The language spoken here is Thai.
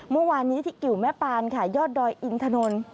เมื่อวานนี้ที่กิวแม่ปานค่ะยอดดอยอินถนน